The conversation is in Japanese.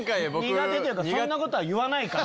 苦手というかそんなことは言わないから。